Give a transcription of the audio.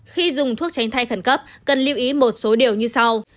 khi dùng thuốc tránh thai khẩn cấp cần lưu ý một số điều như sau